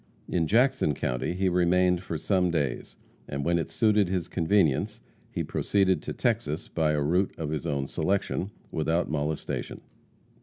In Jackson county he remained for some days, and when it suited his convenience he proceeded to Texas by a route of his own selection, without molestation.